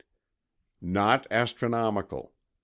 not astronomical